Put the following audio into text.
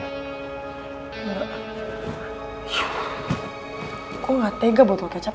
kok gak tega botol kecap